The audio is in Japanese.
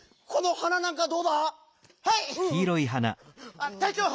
あたいちょう！